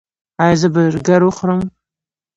ایا زه برګر وخورم؟